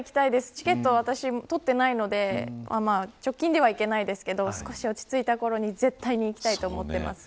チケットは取っていないので直近ではいけませんが少し落ち着いたころに絶対に行きたいと思っています。